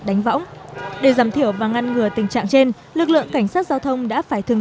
đánh võng để giảm thiểu và ngăn ngừa tình trạng trên lực lượng cảnh sát giao thông đã phải thường